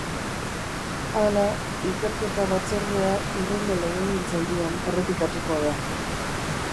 Hala, ikerketa batzordea hurrengo legegintzaldian errepikatuko da.